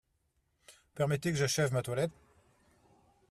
Vous permettez que j’achève ma toilette ?